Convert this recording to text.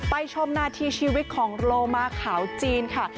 ชมนาทีชีวิตของโลมาขาวจีนค่ะ